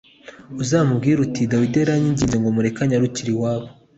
uzamubwire uti Dawidi yaranyinginze ngo mureke anyarukire iwabo